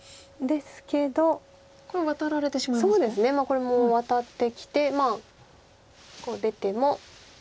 これもワタってきてこう出ても。